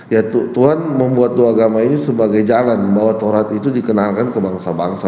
ya tuhan membuat dua agama ini sebagai jalan bahwa torat itu dikenalkan ke bangsa bangsa